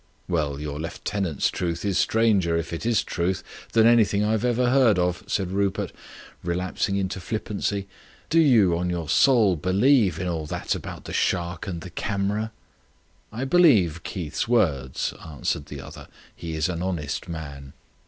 "Well, your lieutenant's truth is stranger, if it is truth, than anything I ever heard of," said Rupert, relapsing into flippancy. "Do you, on your soul, believe in all that about the shark and the camera?" "I believe Keith's words," answered the other. "He is an honest man."